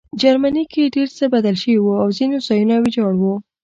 جرمني کې ډېر څه بدل شوي وو او ځینې ځایونه ویجاړ وو